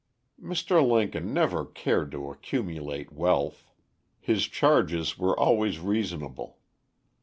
Mr. Lincoln never cared to accumulate wealth. His charges were always reasonable.